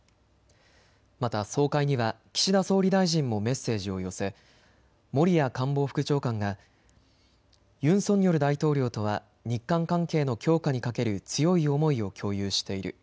また総会には岸田総理大臣もメッセージを寄せ森屋官房副長官がユン・ソンニョル大統領とは日韓関係の強化にかける強い思いを共有している。